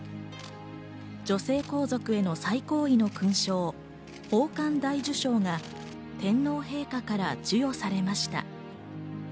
女性皇族への最高位の勲章・宝冠大綬章が天皇陛下から授与されました。